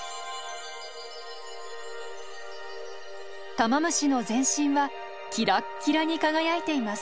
タマムシの全身はキラッキラに輝いています。